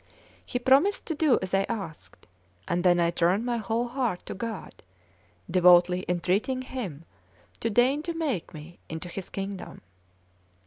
He promised to do as I asked; and then I turned my whole heart to God, devoutly entreating Him to deign to take me into His kingdom.